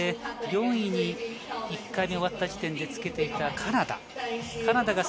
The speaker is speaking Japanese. ４位に１回目が終わった時点でつけていたカナダ。